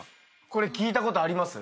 これ聞いたことあります？